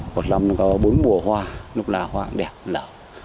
một năm có bốn mùa hoa lúc nào hoa cũng đẹp lợi